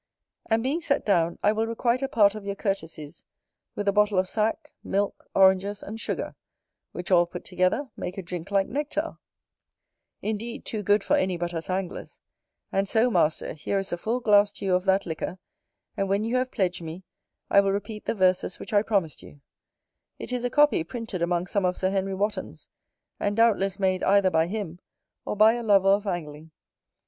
And being set down, I will requite a part of your courtesies with a bottle of sack, milk, oranges, and sugar, which, all put together, make a drink like nectar; indeed, too good for any but us Anglers, And so, Master, here is a full glass to you of that liquor: and when you have pledged me, I will repeat the Verses which I promised you: it is a Copy printed among some of Sir Henry Wotton's, and doubtless made either by him, or by a lover of angling.